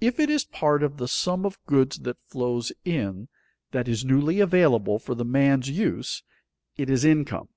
If it is part of the sum of goods that flows in, that is newly available for the man's use, it is income.